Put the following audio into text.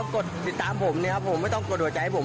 กดติดตามผมเนี่ยครับผมไม่ต้องกดหัวใจให้ผม